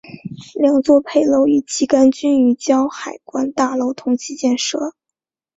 两座配楼与旗杆均与胶海关大楼同期建设。